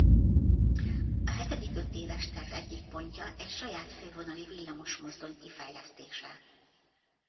A hetedik ötéves terv egyik pontja egy saját fővonali villamosmozdony kifejlesztése.